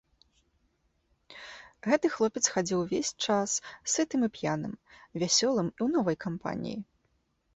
Гэты хлопец хадзіў увесь час сытым і п'яным, вясёлым і ў новай кампаніі.